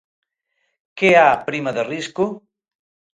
Que á prima de risco?